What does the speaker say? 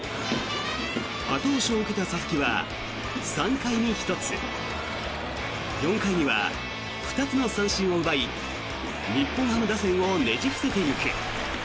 後押しを受けた佐々木は３回に１つ４回には２つの三振を奪い日本ハム打線をねじ伏せていく。